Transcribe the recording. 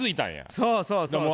そうそうそうそう。